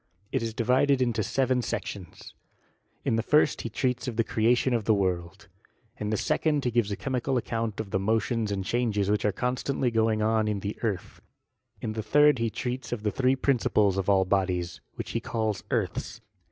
It is divided into seven sections. In the first he treats of the creation of the world ; in the second he gives a chemical ac count of the motions and changes which are constantly going on in the earth ; in the third he treats of tha three principles of all bodies, which he calls earths.